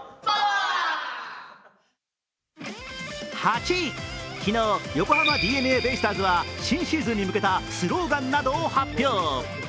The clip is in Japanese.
８位、昨日、横浜ＤｅＮＡベイスターズは新シーズンに向けたスローガンなどを発表。